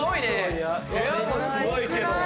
部屋もすごいけど。